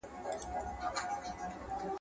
د لویې جرګي لپاره مالي مرستې له کوم ځای څخه راځي؟